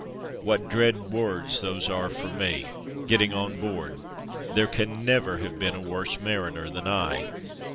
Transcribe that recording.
What dread words those are for me — "Getting on board/' There can never have been a worse mariner than I.